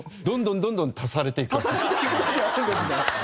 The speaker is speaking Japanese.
どんどんどんどん足されていくから。